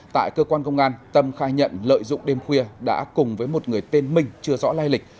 tại cơ quan công an tâm khai nhận lợi dụng đêm khuya đã cùng với một người tên minh chưa rõ lai lịch